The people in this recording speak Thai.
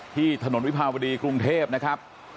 ที่ถนนวิภาวดีกรุงเทพนะครับ